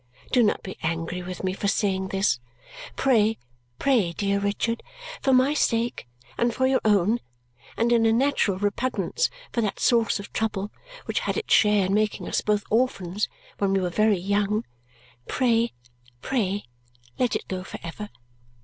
Do not be angry with me for saying this. Pray, pray, dear Richard, for my sake, and for your own, and in a natural repugnance for that source of trouble which had its share in making us both orphans when we were very young, pray, pray, let it go for ever.